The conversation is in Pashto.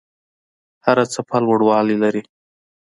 هره څپه لوړوالی لري.